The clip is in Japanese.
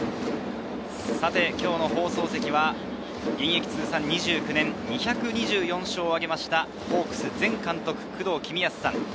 今日の放送席は現役通算２９年、２２４勝を挙げたホークス前監督・工藤公康さん。